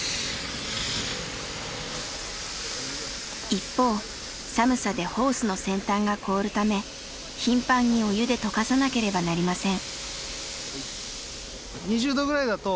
一方寒さでホースの先端が凍るため頻繁にお湯でとかさなければなりません。